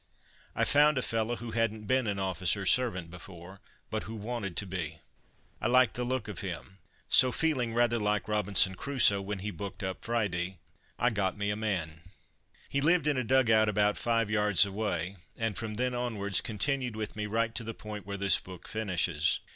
I found a fellow who hadn't been an officer's servant before, but who wanted to be. I liked the look of him; so feeling rather like Robinson Crusoe, when he booked up Friday, "I got me a man." He lived in a dug out about five yards away, and from then onwards continued with me right to the point where this book finishes.